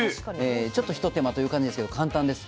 ちょっとひと手間という感じですけど簡単です。